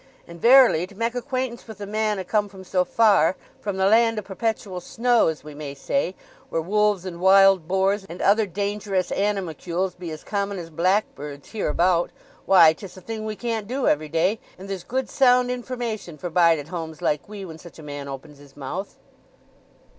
And verily, to mak' acquaintance with a man a come from so far, from the land o' perpetual snow, as we may say, where wolves and wild boars and other dangerous animalcules be as common as blackbirds here about—why, 'tis a thing we can't do every day; and there's good sound information for bide at homes like we when such a man opens his mouth."